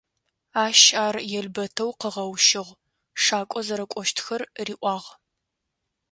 Ащ ар елбэтэу къыгъэущыгъ, шакӏо зэрэкӏощтхэр риӏуагъ.